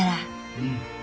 うん。